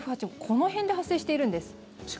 この辺で発生しているんです。